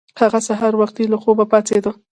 هغه سهار وختي له خوبه پاڅیده.